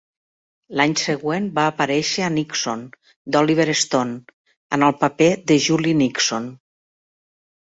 L'any següent va aparèixer a "Nixon", d'Oliver Stone, en el paper de Julie Nixon.